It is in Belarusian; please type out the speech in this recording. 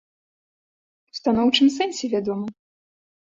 У станоўчым сэнсе, вядома.